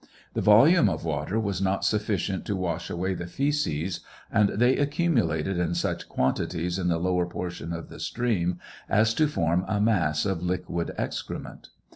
The volume of water was not sufficient to wash away the fseces, and they accumulated in such quantities in the lower portion of the stream as to form a mass of liquid excrement.